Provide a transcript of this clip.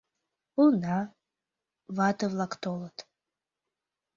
Уна, вате-влак толыт.